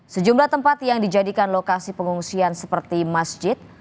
sejumlah tempat yang dijadikan lokasi pengungsian seperti masjid